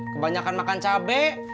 kebanyakan makan cabe